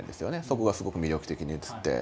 そこがすごく魅力的に映って。